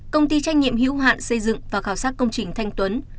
công ty trách nhiệm hữu hạn xây dựng và khảo sát công trình thanh tuấn